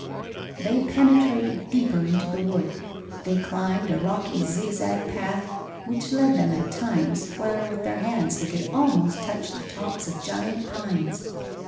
They penetrated deeper into the wood. They climbed a rocky zigzag path which led them at times where with their hands they could almost touch the tops of giant pines.